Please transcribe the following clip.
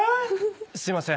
すいません。